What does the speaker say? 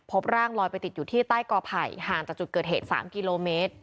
พบร่างลอยไปติดอยู่ที่ใต้กอไผ่ห่างจากจุดเกิดเหตุ๓กิโลเมตร